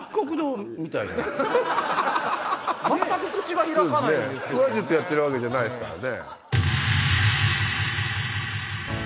腹話術やってるわけじゃないですからね。